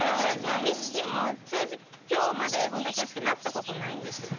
そう美月も正直きょうまで本田圭佑なったことないんですよね。